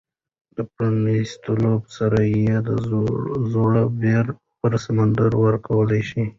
د پرانیستلو سره یې د زړه بېړۍ پر سمندر ورګډه شوه.